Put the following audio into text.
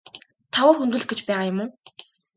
Та үр хөндүүлэх гэж байгаа юм уу?